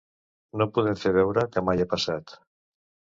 No podem fer veure que mai ha passat.